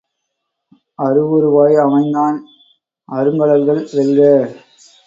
அருவுருவாய் அமைந்தான் அருங்கழல்கள் வெல்க!